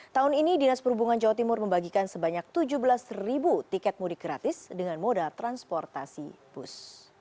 tahun ini dinas perhubungan jawa timur membagikan sebanyak tujuh belas tiket mudik gratis dengan moda transportasi bus